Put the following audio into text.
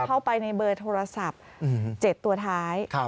เข้าไปในเบอร์โทรศัพท์๗ตัวท้าย